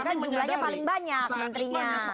karena jumlahnya paling banyak menterinya